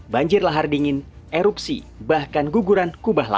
banjir lahar dingin erupsi bahkan guguran kubah lah